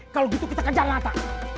kalau gitu kita kejar latak